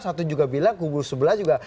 satu juga bilang kubu sebelah juga